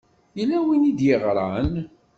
Yella win i yi-d-yeɣṛan?